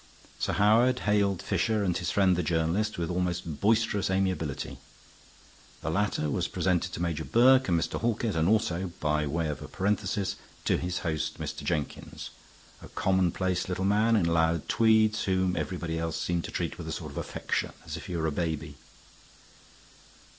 Sir Howard hailed Fisher and his friend the journalist with almost boisterous amiability. The latter was presented to Major Burke and Mr. Halkett and also (by way of a parenthesis) to his host, Mr. Jenkins, a commonplace little man in loud tweeds, whom everybody else seemed to treat with a sort of affection, as if he were a baby.